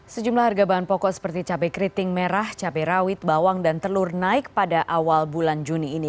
sejumlah harga bahan pokok seperti cabai keriting merah cabai rawit bawang dan telur naik pada awal bulan juni ini